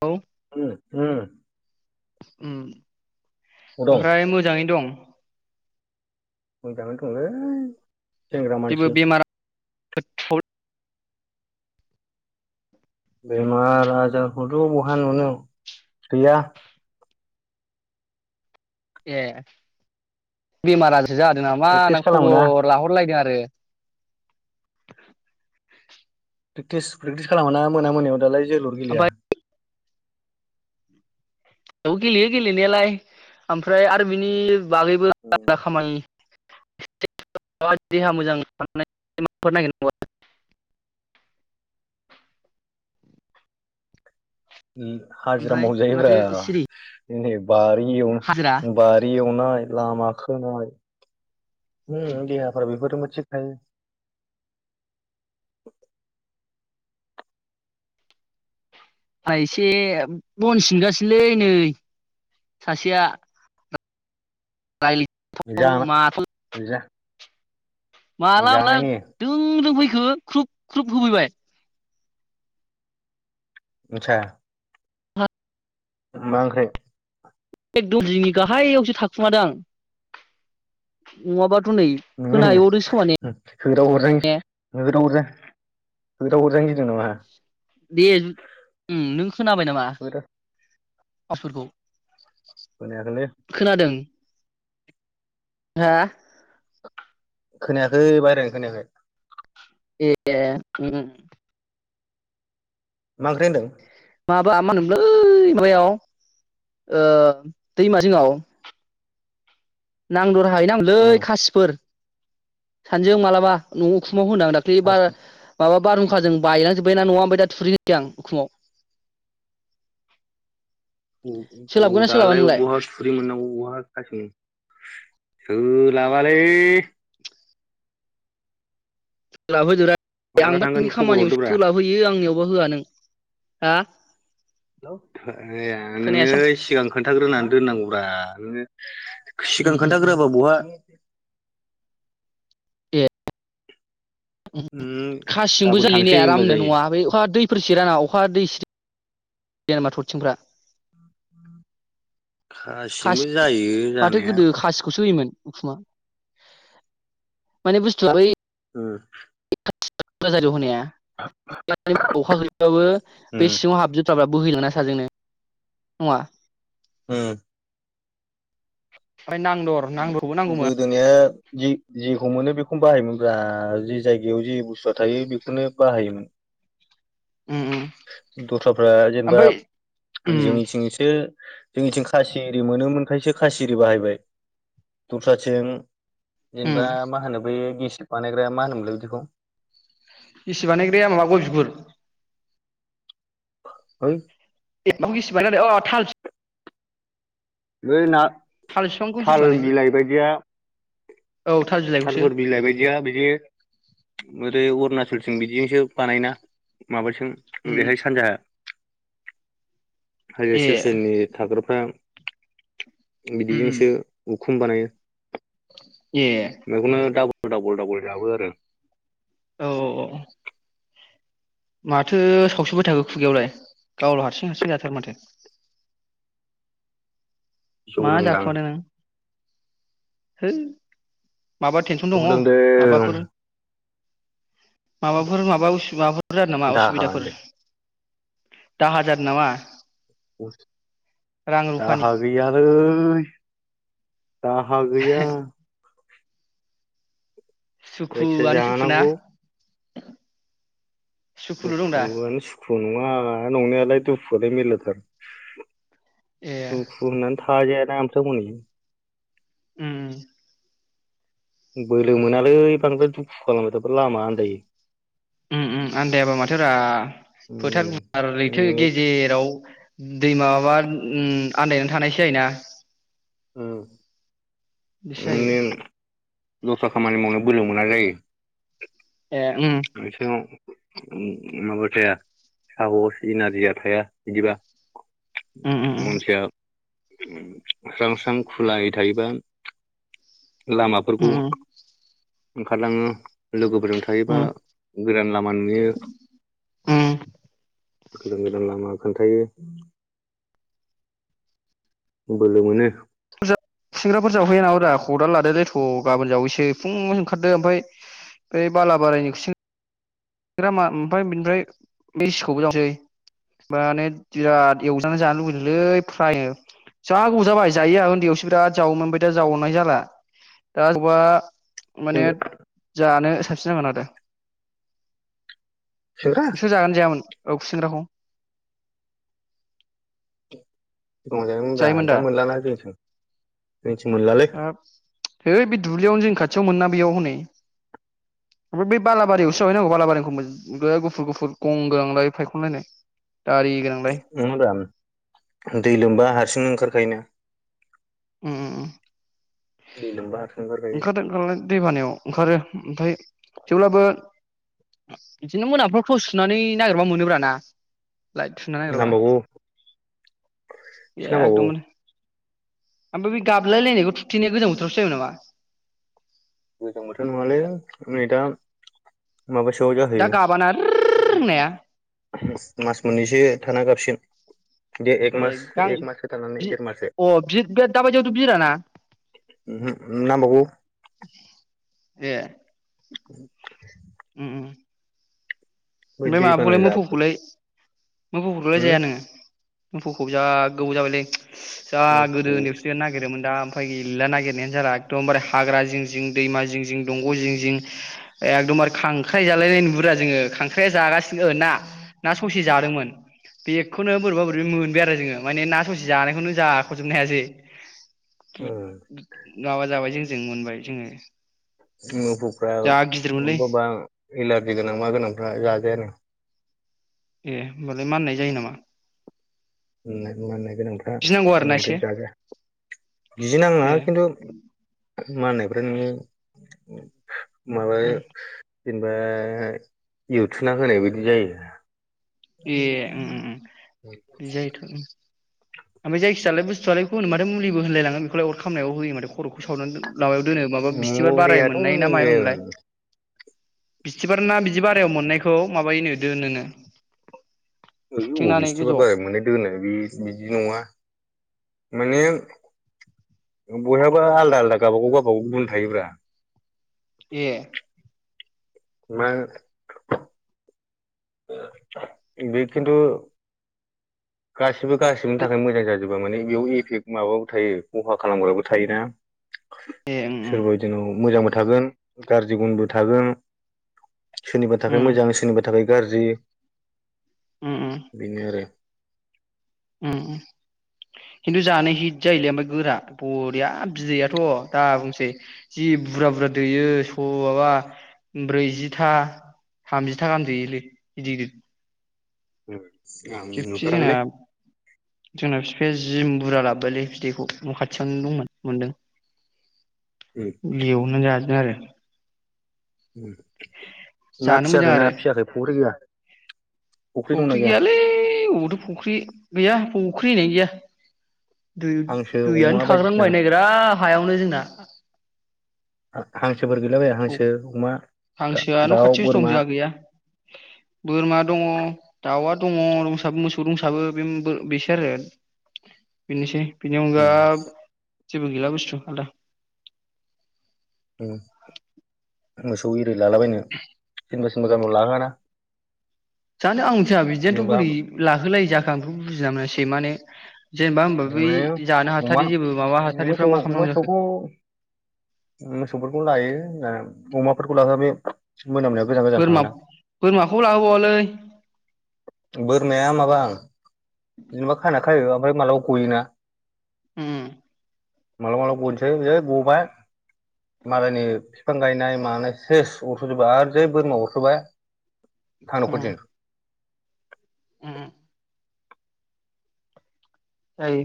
औ [unintelligible] उम उम दं ओमफ्राय मोजाङै दं। मोजाङौनो दंलै। सेंग्रा जेबो मानसि बेमार [unintelligible] बेमार आजारखौथ' बहा नुनो गैया। ए बेमार आजार जादों नामा प्रेक्टिस होनना खालामोना खबर लाहरलायदों आरो। [unintelligible] प्रेक्टिस प्रेक्टिस खालामोना मोना मोनायाव दालाय जोलुर गेलेया। ओमफ्राय औ गेलेयो गेलेनायालाय ओमफ्राय आरो बिनि बागैबो आद्रा खामानि देहा मोजां [unintelligible] उम हाजिरा ओमफ्राय मावजायो माथो ब्रा सिरि नेम बारि हाजिरा एव बारि एवनाइ लामा खोनाय उम देहाफ्रा बेफोरजोंबो थिग थायो आं एसे बन सिनगासिनोलै नै सासेया रायज्लायनोथ' जाना माथो जा माला माला जानायनि दों-दोंफैखो ख्रुब ख्रुब खुबैबाय आतसा मा ओंख्रै एकदम जिंनि गाहायावसो थाखुमादों आं नङाबा नोङो होदाव हरजायो होदाव हरजायो दे नों खोनाबाय नामा होदाव फासफोरखौ खोनायाखैलै हा खोनायाखै बायहारानि खोनायाखै ए मा ओंख्रि होनदों माबा मा होनोमलै माबायाव ओ दैमा जिङाव नांगो द खाहैनांलै होनदों? खासिफोर सानैजों मालाबा न'आव खौ हानदों आं दाख्लै बार मा बारहुंखाजों बायलांजोब्बाय ना न'आ ओफ्राय दा थुरिनोसै आं उखुमाव सोलाबगोन ना सोलाबा दालाय नोंलाय? बहा थुरि मोननांगौ बहा समान सोलाबालै जोंनाबो माला आंबा थांगोन नोंनि खबर खामानियाव हरदोब्रा सोलाब होयो आंनियावबा होआ नों हा हेल' आया नोङो खोनायासै आं सिगां खोन्थाग्रोनानै दोननांगौब्रा नोङो [unintelligible] उम सिगां उम उम खोन्थाग्रोआबा बहा ए उम खासिजोंबो गाबोन जायोलै ने थांसै होनबा आराम ने जायो नआ बे अखा दैफोर सिरियाना अखा दैसे जेनबा थरथिंफ्रा खासिजोंबो खासि जायो माथो जानाया गोदो खासिखौसो होयोमोन उखुमा माने बुस्थुआ बै ओ [unintelligible] आव‌ होनाया [unintelligible] अखा गैलैबाबो उम बे सिंङाव हाबजोबथाबाय बोहैलांना [unintelligible] जोंनो नंङा? उम ओमफ्राय नांदर नांदरबो नांगौमोन। जि जेखौ मोनो बेखौनो बाहायोमोन ब्रा जि जायगायाव जि बुस्थुआ थायो बेखौनो बाहायोमोन। उम उम दस्राफ्रा जेनेबा ओमफ्राय उम जोंनि थिं इसोर जोंनि थिं खासि एरि मोनो मोन खायसो खासि एरि बाहायबाय दस्राथिं उम जेनेबा मा होनो बै गि सि बानायग्राया मा होनोमोनलाय बिदिखौ? इसे बानायग्राया माबा गय बिगुर है [unintelligible] अ थाल बे ना थाल बिफांखौ गिसि थाल बानायो बिलाइ बायदिया औ थाल बिलाइखौसो थालफोर बिलाइ बायदिया बिदि ओरै अरुना फुलथिं बिदिजोंसो बानायोना? माबैथिं उम उम ओरैहाय सानजाहा हाजो ए सेर-सेर नि थाग्राफ्रा उम उम बिदिजोंसो उम खुम बानायो। ए नगौन‌न नों दा दाबल दाबल जाबो आरो। औ औ माथो सावसुबाय थाखो खुगायावलाय गावल हारसिं हारसिं जाथारो माथो। जौ मा लोंदां जाखुमादों नों? हैै माबा टेनसन जौ दंङ लोंदों माबाफोर? माबाफोर माबा उसु माबाफोर फोर जादों नामा दाहा असुबिदाफोर? होनदों दाहार जादों नामा? रां रुफानि दाहा गैयालै [unintelligible] दाहा गैया। जायखि सुखुआनो जाया सुखु ना जानांगौ। सुखुल' दं दा दुखुआनो सुखु ङा नंनायालाय दुखुआलाय मेल्लाथार। ए [unintelligible] [unintelligible] उम। बोलो मोनालै बांद्राय दुखु खालामबाय थाबाबो लामा आन्दायो। ओम ओम आनदायाबा माथोरा उम फोथार गुवार लैथो नोङो गेजेराव दै माबाबा आनदायनासो थानाय जायोना। ओम। दिसो जायो। दस्रा खामानि मावनो बोलो मोना जायो। ए उम [unintelligible] माबा थाया [unintelligible] सिन आरिया थाया बिदिबा। उम उम मानसिया स्रां स्रां खुलायै थायोबा लामाफोरखौ उम उम ओंखारलाङो। लोगोफोरजों थायोबा उम गोदान लामा नुयो। उम गोदान गोदान लामा खोन्थायो। बोलो मोनो। खुसिंग्राफोर जावहैयो नामादा खदाल लादोलै थ' गाबोन जावैसै फुं ओंखारदो ओमफ्राया ओ बालाबारिनि खुसिं [unintelligible] माने बिराज एवजानानै जानो लुगैदोंलै फ्राइनो जा गोबाव जाबाय जायिया उन्दैयावसो ब्राद जावोमोन आमफाय दा जावनाय जाला दा जावबा माने जानो साबसिन जागोन आरो। सेंग्रा नोंसोर जागोन जायामोन? औ खुसेंग्राखौ [unintelligible] सिगांयाव जायोमानब्रा दा मोनलाना जोंनिथिं जोंनिथिं मोन [unintelligible] दुब्लियावनो जोंनि खाथियाव मोनोना बेयाव हनै ओमफ्राय बेै बालाबारियावसो जाहैनांगौ बालाबारिखौ गुफुर गुफुर गं गोनांलाय फायखनलायनाय दारि गोनां। मेदाम दै लोमबा हारसिं ओंखारखायो ना। ओम ओम ओम। दै लोम्बा हारसिं ओंखारखायो ओंखारदों ओंखारनायालाय दैबानायाव ओंखारो ओमफ्राय। थेवब्लाबो बिदिनो मोनाफ्राव थस सुनानै नागिरबा मोनोब्रा ना। लाइट सुना नागिरबा। नांबावगौ एसे नांबावगौ एगदमबारे। ओमफ्राय बे गाबलाय लायनायखौ थुथेनाया गोजां बोथोरावसो जायोमोन नामा। गोजां बोथोर नङालै नै दा माबासोआव दा जाहैयो गाबाना ओररर होननाया। मास मोननैसो थाना गाबसिगोन। दे एक मास ए गां मासो थानानै बि देर मासो अ बि बे दाबायदियावथ' बिराना ओमहो नांबावगौ। ए। [unintelligible] ओम ओम। बै ओफ्राय दैबाना माबाखौलाय जाफु मोफौखौलाय। मोफौफोरखौलाय उम जाया नोङो। मोफौखौ जा गोबाव जाबायलै। जा मोफौ गोदो नेवसिनो नागिरोमोन दा। उफाय गैला नागिरनायानो जाला एकदमबारे हाग्रा जिं जिं दैमा जिं जिं दंग' जिं जिं एकदमबारे खांक्राय जालायनाय नुयोरा जोङो। मोख्राया जागासिनो ना ना ससे जादोंमोन बेखौनो बोरैबा बोरैबा मोनबाय आरो जोङो माने ना ससे जानायखौनो जाख'जोबनो हायासै। ओ [unintelligible] जों मोनबाय जोङो। मोफौफ्रा जा अबबा गिदिरमोनलै अबबा एलारजि गोनां मा गोनांफ्रा जाजायानो। ए होमबालाय माननाय जायो नामा। मानो मानो। गोनांफ्रा गिनांगौ आरोना एसे बांद्राय जाजाया गिनांआ ए नाङा खिन्थु। मा होननायब्रा नोङो। माबायाव। जेनेबा इउथुबना होनाय बायदि जायो। ए ओम ओम इदि जायोथ' ओम। [unintelligible] ओमफाय जायखिायालाय बस्थुआलाय माथो मुलिबो होनलायङो बेखौलाय अर खामानायाव होयो माथो। खर'खौ सावनानै माबायाव दोनो माबा बिस्थिबार बाराय मुलियाथ' मोननाय ना मायाव होनोमोनलाय। बिथ्सिबार ना बिदि बारायाव मोननायखौ माबायो नो दोननो। अबाव बिस्थिबार बाराय मोनो दोनो बे बिदि नङा। माने बयहाबा आलदा आलदा गावबागाव गावबागाव गुन थायोब्रा ए मा। बे खिथु गासि बो गासिबोनि थाखाय मोजां जाजोबबो माने बेयाव इफेक्ट माबाबो थायो खहा खालामग्राबो थायोना ए उम सोरबा बिदिनाव मोजां मा थागोन गाज्रि गुनबो थागोन। सोरनिबा उम थाखाय मोजां सोरनिबा थाखाय गारजि उम बिनो आरो उम खिन्थु जानो हित जायोलै ओमफ्राय गोरा बरिया बिदैयाथ' दा बुंसै जि बुरजा बुरजा दैयो सआबा ब्रैजिथा थामजिथा गाहाम दैयोलै गिदिर गिदिर। औ खेबसे जोंना जोंना बिफाया जिम बुरजा लाबोबायलै बिदैखौ न' खाथियावनो दंमोन मोनदों। लयावनो जाजोन उम ना जानो मोजां फियाखै ना आरो फियाखै फख्रि गैया। दंना फुख्रि गैया गैयालै अबावथो' फख्रि गैया। फख्रि होन्नायानो गैया। दै हांसो अमा दैइयानो बायदिसिना थाग्रांबायनायग्रा हायावनो जोंना हां औ हांसोआ न' दाउ खाथियावसो दं बोरमा जोहा गैया बोरमा दङ। दाउआ दङसो मोसौ रंसाबो बे बेसो आरो बेनोसै बिनि अनगा उम जबो गिला बस्थ' आदा। उम मोसौ रै लालाबायनो सोरबासिमबोा गामियाव लाहोआना जानो आं मोनथिया बिदिआथ' जेनेबा बोरै लाहोलायै जाखो? आखौ बुजिना मोनासै माने जेनेबा होमबा बै माने जानो अमा हाथारि जेबो माबा हाथारिफ्रा मोसौ मा खालामनांगौ जाखो मोसौखौ मोसौफोरखौ लायो। अमाफोरखौ लांङो बे मोनामनाया गोजान गोजान बोरमा थाङोना बोरमाखौ लाहोबावालै। बोरमाया माबां जेनेबा खाना खायोबाबो मालाबा गयोना उम मालाबा मालाबा गनोसै जै गबाय मालायनि फिफां गायनाय मानाय सेस अरस'जोबबो आरो जै बोरमा अरस'बाय उम थांनोखथिन उम जायो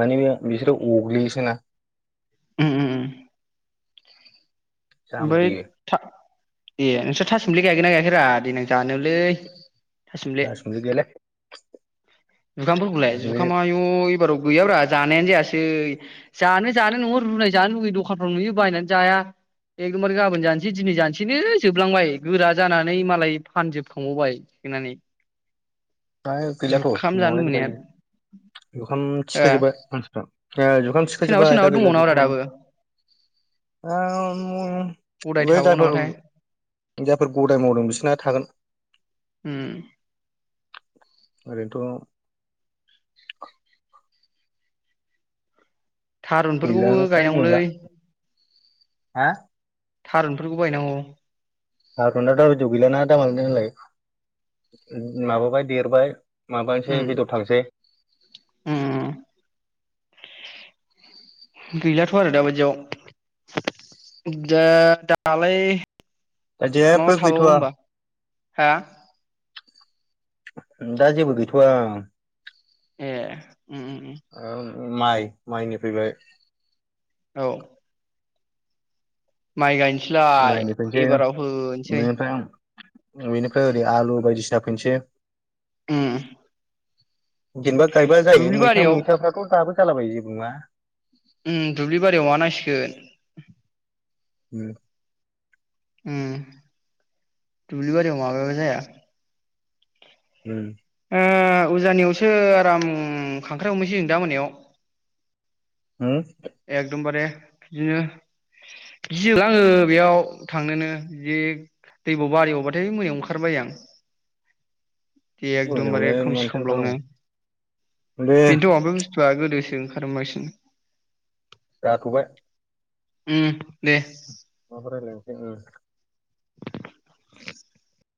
माने बेयो बिसोरो अग्लियोसोना उम उम उम ओमफ्राय जामब्रियो था ए नोंस्रा थासुमलि गायगोन ना गायाखैरा देनां जानोलै थासुमलि थासुमब्लि गैेयालै जुखामफोरखौलाय जुखामा आयु एबाराव गैयाब्रा जानायानो जायासै जानो जानो नङो रुनाय जानो लुैगैयो दखानफ्राव नुयो बायनानै जाया एखदमबार गाबोन जानोसै दिनै जानोसैनो जोबलांबाय गोरा जानानै मालाय फानजोबखांबावबाय खानानै दायो गैलाथ' न'आवहायसो गायो लुबैनाया जुखाम थिखोजोब्बाय मानसिफ्रा ए जुखाम ओ सोरनाबा थिखोजोबबाय दा गैला दङनाब्रा जुखामानो दाबो गदाय [unintelligible] बे थाबावो जायफोर नामाथाय जायफोर गदाय मावदों बिसोरना थागोन उम ओरैनोथ' थारुनफोरखौबो गैलानो फ्राय गायनांगौलै नुला हा थारुनफोरखौबो गायनांगौ थारुना दाबदियाव गैलाना दामालनो होनलाय माबाबाय देरबाय उम माबानोसै बेदर थांसै उम गैलाथ' आरो दाबायदियाव दा दालाय माबा थाबावो जेबोगैथ'आ होमबा हा दा जेबो गैथ'वा ए उम उम उम ओ माइ माइनि फैबाय औ माइ गाय नोसैलाय माइनि फैनोसै एबाराव होनोसै बेनिफ्राय बेनिफ्राय ओरै आलु बायदिसिना फोनोसै उम जेनेबा गायबा जायो दुब्लि मैथा बारियाव मैथाफ्राथ' दाबो जालाबायो जेबो नंङा उम दुब्लि बारियाव माबा नांसिगोन उम। उम दुब्लि बारियाव माबाबा जाया। उम। ओ उजानियावसो आराम खांख्राइ हमहनोसै जों दा मोनायाव। हो? एखदमबारे बिदिनो गियो आंङो बेयाव थांनोनो बिदि दैब'बारियावबाथाय मोनायाव ओंखारनो बायो आं। एखदमबारे मोनायावलाय खोमसि मानोथो खोमलावनो ओंखारनांगौ दे बेनोथ' आमफ्राय बे जा गोदोसो ओंखारोमोन बांसिन। जाथ'बाय। उम दे। माबा रायज्लाय उम। [inaudible]